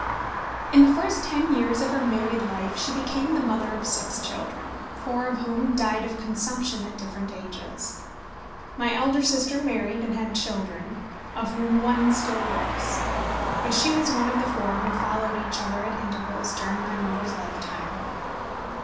In the first ten years of her married life she became the mother of six children, four of whom died of consumption at different ages. My elder sister married, and had children, of whom one still lives; but she was one of the four who followed each other at intervals during my mother's lifetime.